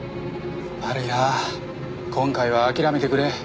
悪いな今回は諦めてくれ。